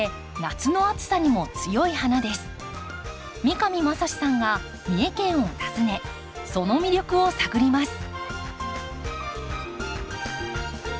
三上真史さんが三重県を訪ねその魅力を探ります。